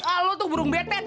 ah lo tuh burung betet